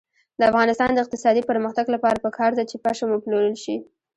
د افغانستان د اقتصادي پرمختګ لپاره پکار ده چې پشم وپلورل شي.